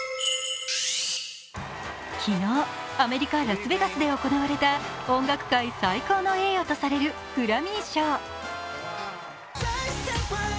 昨日、アメリカ・ラスベガスで行われた音楽界最高の栄誉とされるグラミー賞。